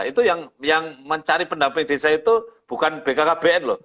itu yang mencari pendamping desa itu bukan bkkbn loh